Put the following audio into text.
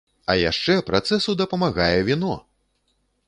А яшчэ працэсу дапамагае віно!